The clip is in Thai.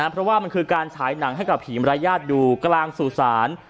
เพราะว่ามันคือการฉายหนังให้กับผีมรยาทดูกลางสู่ศาล